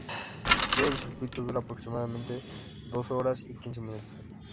Todo el circuito dura aproximadamente dos horas y quince minutos.